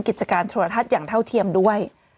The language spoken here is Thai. กิจการโทรทัศน์อย่างเท่าเทียมด้วย